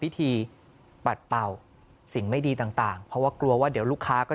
พิธีปัดเป่าสิ่งไม่ดีต่างต่างเพราะว่ากลัวว่าเดี๋ยวลูกค้าก็